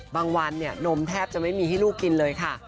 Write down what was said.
วันนมแทบจะไม่มีให้ลูกกินเลยค่ะ